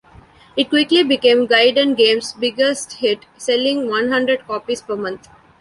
It quickly became Guidon Games's biggest hit, selling one hundred copies per month.